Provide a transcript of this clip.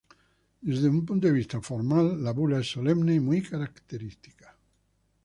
Desde un punto de vista formal, la bula es solemne y muy característica.